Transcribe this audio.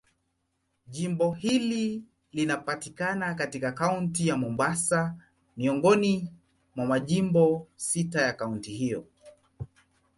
Jimbo hili linapatikana katika Kaunti ya Mombasa, miongoni mwa majimbo sita ya kaunti hiyo.